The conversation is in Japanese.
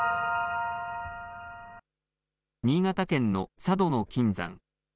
新潟県の佐渡島の金山。